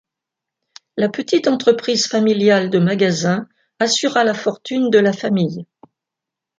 La petite entreprise familiale de magasins assura la fortune de la famille.